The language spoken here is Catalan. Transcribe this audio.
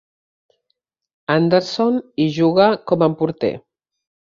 Anderson hi juga com a porter.